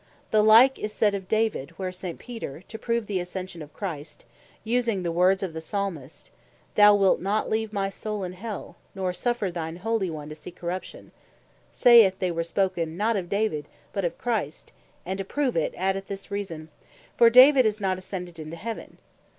The like is said of David (Acts 2.34.) where St. Peter, to prove the Ascension of Christ, using the words of the Psalmist, (Psal. 16.10.) "Thou wilt not leave my soule in Hell, nor suffer thine Holy one to see corruption," saith, they were spoken (not of David, but) of Christ; and to prove it, addeth this Reason, "For David is not ascended into Heaven."